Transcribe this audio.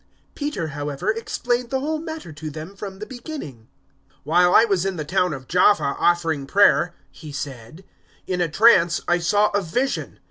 011:004 Peter, however, explained the whole matter to them from the beginning. 011:005 "While I was in the town of Jaffa, offering prayer," he said, "in a trance I saw a vision.